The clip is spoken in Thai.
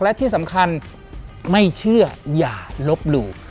และที่สำคัญไม่เชื่ออย่าลบหลู่